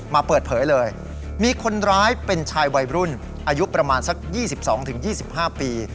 มาเปิดเผยเลยมีคนร้ายเป็นชายวัยรุ่นอายุประมาณสักยี่สิบสองถึงยี่สิบห้าปี